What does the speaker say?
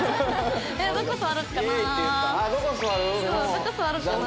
どこ座ろっかな？